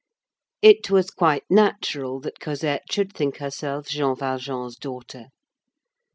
It was quite natural that Cosette should think herself Jean Valjean's daughter.